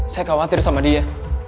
saya khawatir sama dia